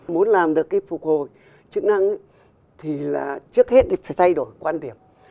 muốn làm được phục hồi chức năng thì trước hết phải thay đổi quan điểm